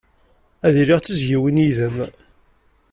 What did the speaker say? Ad iliɣ d tizzyiwin yid-m.